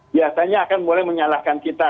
biasanya akan mulai menyalahkan kita